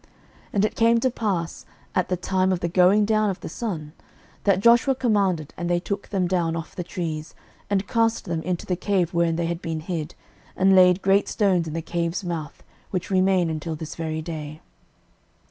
06:010:027 And it came to pass at the time of the going down of the sun, that Joshua commanded, and they took them down off the trees, and cast them into the cave wherein they had been hid, and laid great stones in the cave's mouth, which remain until this very day.